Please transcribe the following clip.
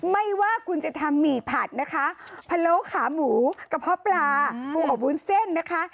ไม่ว่าคุณจะทำหมี่ผัดนะคะพะโล้ขาหมูกระเพาะปลาปูอบวุ้นเส้นนะคะ